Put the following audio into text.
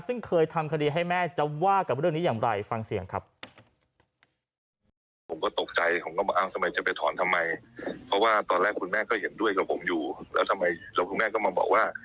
ซึ่งเคยทำคดีให้แม่จะว่ากับเรื่องนี้อย่างไรฟังเสียงครับ